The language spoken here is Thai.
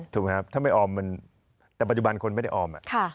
ถูกไหมครับถ้าไม่ออมมันแต่ปัจจุบันคนไม่ได้ออม